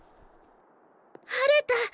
晴れた！